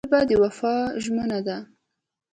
ژبه د وفا ژمنه ده